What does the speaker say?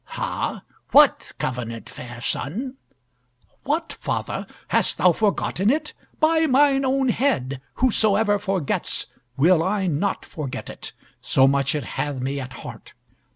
"Ha! what covenant, fair son?" "What, father! hast thou forgotten it? By mine own head, whosoever forgets, will I not forget it, so much it hath me at heart.